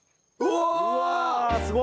わすごい！